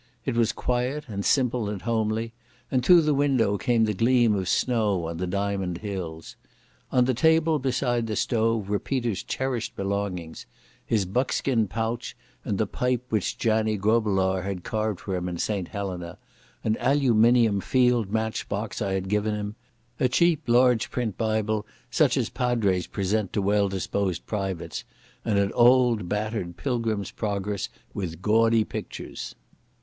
It was quiet and simple and homely, and through the window came the gleam of snow on the diamond hills. On the table beside the stove were Peter's cherished belongings—his buck skin pouch and the pipe which Jannie Grobelaar had carved for him in St Helena, an aluminium field match box I had given him, a cheap large print Bible such as padres present to well disposed privates, and an old battered Pilgrim's Progress with gaudy pictures.